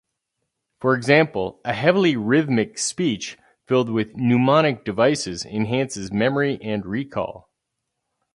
For example, a heavily rhythmic speech filled with mnemonic devices enhances memory and recall.